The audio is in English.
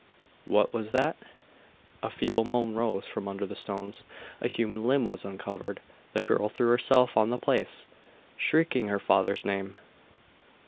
What was that?' A feeble moan rose from under the stones. A human limb was uncovered. The girl threw herself on the place, shrieking her father's name.